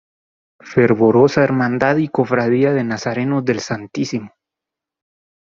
Fervorosa Hermandad y Cofradía de Nazarenos del Stmo.